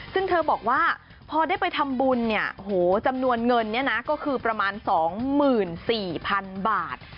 ซึ่งเธอบอกว่าพอได้ไปทำบุญเนี่ยโหจำนวนเงินเนี่ยนะก็คือประมาณ๒๔๐๐๐บาท